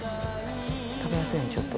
「食べやすいようにちょっと」